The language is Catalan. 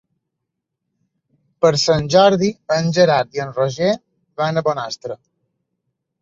Per Sant Jordi en Gerard i en Roger van a Bonastre.